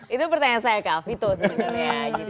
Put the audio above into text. itu pertanyaan saya kak vito sebenarnya